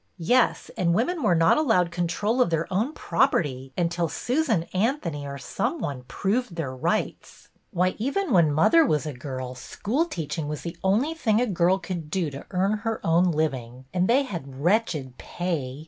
Yes, and women were not allowed control of their own property, until Susan Anthony or some one proved their rights. Why, even when mother was a girl, school teaching was the only thing a girl could do to earn her own living, and they had wretched pay.